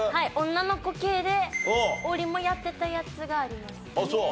女の子系で王林もやってたやつがあります。